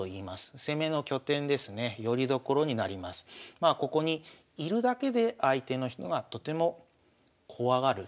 まあここに居るだけで相手の人がとても怖がる。